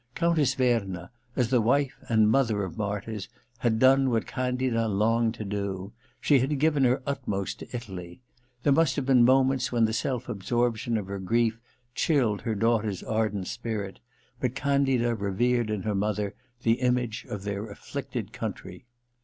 Countess Verna, as the wife and mother of martyrs, had done what Candida longed to do : she had given her utmost to Italy. There must have been moments when the self absorption of her grief chilled her daughter's ardent spirit ; but Candida revered in her mother the image of their afflicted country.